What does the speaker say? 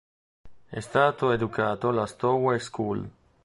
È stato educato alla Stowe School.